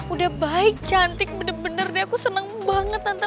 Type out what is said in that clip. udah baik cantik bener bener deh aku seneng banget tante